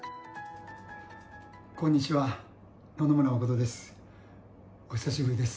こんにちは、野々村真です。